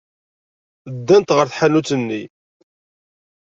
Ddant ɣer tḥanut-nni.